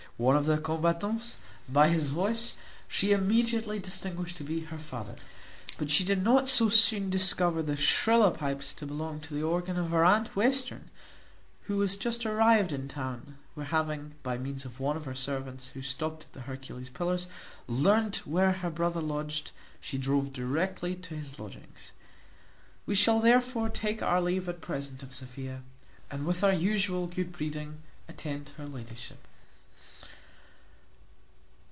One of the combatants, by his voice, she immediately distinguished to be her father; but she did not so soon discover the shriller pipes to belong to the organ of her aunt Western, who was just arrived in town, where having, by means of one of her servants, who stopt at the Hercules Pillars, learned where her brother lodged, she drove directly to his lodgings. We shall therefore take our leave at present of Sophia, and, with our usual good breeding, attend her ladyship.